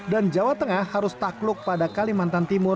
dan jawa tengah harus takluk pada kalimantan